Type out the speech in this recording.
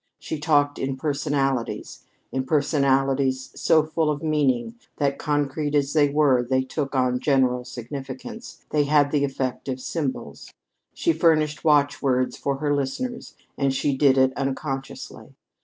She talked in personalities in personalities so full of meaning that, concrete as they were, they took on general significance they had the effect of symbols. She furnished watchwords for her listeners, and she did it unconsciously.